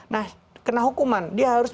nah kena hukuman dia harus